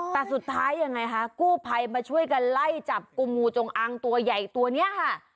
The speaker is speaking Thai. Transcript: แต่สุดท้ายยังไงนะคะกูไพรมาช่วยกันไล่จับโมงจงอังตัวใหญ่ตัวนี้ฮะ